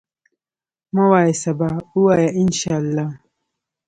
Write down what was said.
مه وایه سبا، وایه ان شاءالله.